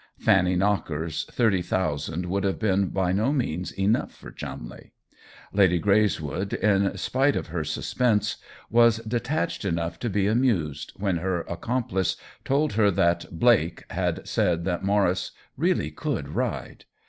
Fanny Knocker's thirty thousand would have been by no means enough for Chumleigh. Lady 34 THE WHEEL OF TIME Greys wood, in spite of her suspense, was detached enough to be amused when her accomplice told her that " Blake " had said that Maurice really could ride.